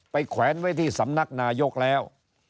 แขวนไว้ที่สำนักนายกแล้ว